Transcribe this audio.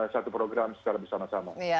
satu program secara bersama sama